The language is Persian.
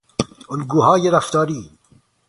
الگوهای رفتار